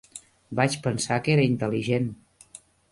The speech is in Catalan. Vaig pensar que era intel·ligent.